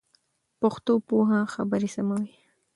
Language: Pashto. پښتو پوهه خبري سموي.